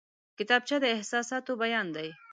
کتابچه د احساساتو بیان دی